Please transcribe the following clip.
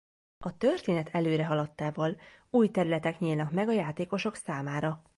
A történet előrehaladtával új területek nyílnak meg a játékosok számára.